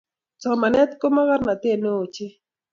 Somanet ko mokornotet neo ochei